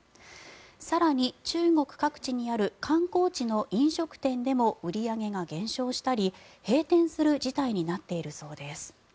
更に、中国各地にある観光地の飲食店でも売り上げが減少したり閉店する事態になっているそうです。